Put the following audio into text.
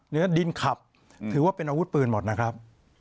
ดินขับถือว่าเป็นอาวุธปืนหมดนะครับ